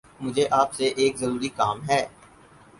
مجھے آپ سے ایک ضروری کام ہے